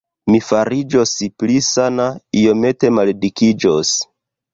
Mi fariĝos pli sana, iomete maldikiĝos.